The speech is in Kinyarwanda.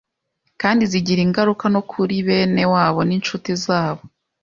kandi zigira ingaruka no kuri bene wabo n’incuti zabo.